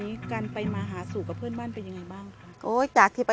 อีกเครื่องหนึ่งก็เลยดังในที่นอน